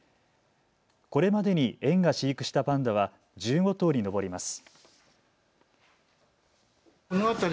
これまでに園が飼育したパンダは１５頭に上ります。